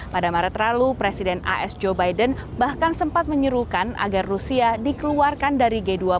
pada maret lalu presiden as joe biden bahkan sempat menyuruhkan agar rusia dikeluarkan dari g dua puluh